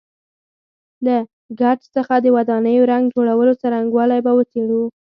له ګچ څخه د ودانیو رنګ جوړولو څرنګوالی به وڅېړو.